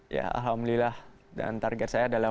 ya alhamdulillah dan target saya adalah